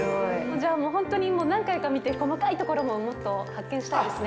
じゃあもう本当に何回か見て、細かいところももっと発見したいですね。